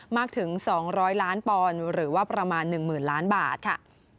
มากถึงสองร้อยล้านปอนด์หรือว่าประมาณหนึ่งหมื่นล้านบาทค่ะ